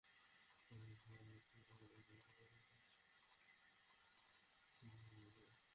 গাবতলী হাটে বেশ কয়েকজন ক্রেতা বললেন, বিক্রেতাদের অনেকে পশুর দাম ধরে রেখেছেন।